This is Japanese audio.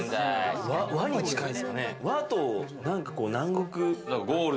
和と南国。